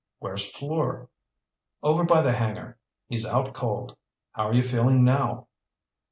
"Where's Fleur?" "Over by the hangar. He's out cold. How are you feeling now?"